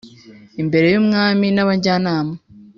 imbere y umwami n abajyanama